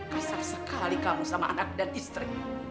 kasar sekali kamu sama anak dan istri